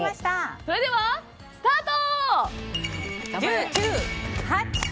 それでは、スタート！